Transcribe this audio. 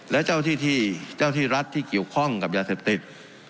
และเจ้าที่รัฐที่เกี่ยวข้องกับยาเสพติด